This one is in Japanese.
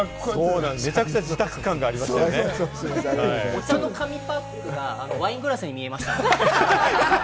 お茶の紙パックがワイングラスに見えました。